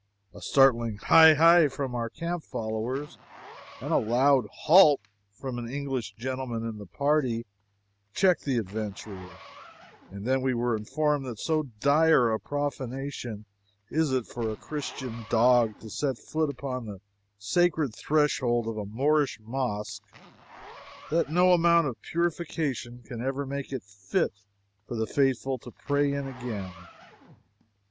A startling "Hi hi!" from our camp followers and a loud "Halt!" from an English gentleman in the party checked the adventurer, and then we were informed that so dire a profanation is it for a Christian dog to set foot upon the sacred threshold of a Moorish mosque that no amount of purification can ever make it fit for the faithful to pray in again.